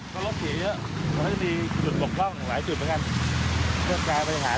ครับคุณผู้ชมครับน้ำท่วมขังประชาชนหลายคน